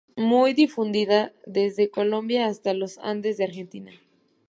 Muy difundida desde Colombia hasta los andes de Argentina.